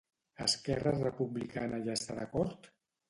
Esquerra Republicana hi està d'acord?